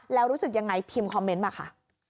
แล้วรู้สึกยังไงพิมพ์คอมเมนต์มาค่ะ